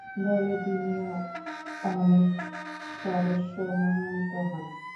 দলে তিনিও অন্যতম সদস্য মনোনীত হন।